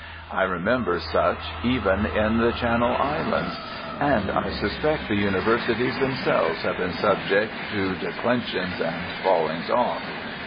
I remember such even in the Channel Islands. And I suspect the Universities themselves have been subject to "declensions and fallings off."